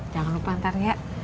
jangan lupa ntar ya